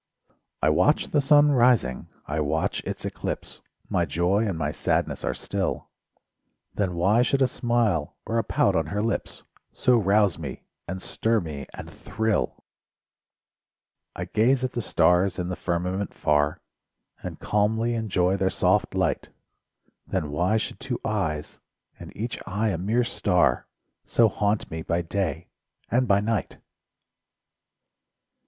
I watch the sun rising, I watch its eclipse— My joy and my sadness are still; Then why should a smile or a pout on her lips So rouse me, and stir me, and thrill? I gaze at the stars in the firmament far And calmly enjoy their soft light. Then why should two eyes, and each eye a mere star, So haunt me by day and by night?